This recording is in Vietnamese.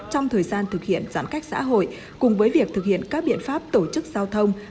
trong thời gian thực hiện giãn cách xã hội cùng với việc thực hiện các biện pháp tổ chức giao thông